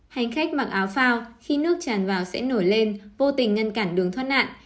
hành khách mặc áo phao khi nước tràn vào sẽ nổi lên vô tình ngăn cản đường thoát nạn